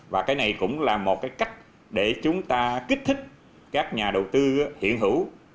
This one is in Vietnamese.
và cái này cũng là một cái cách để chúng ta kích thích các nhà đầu tư hiện hữu